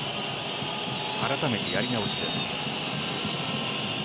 あらためてやり直しです。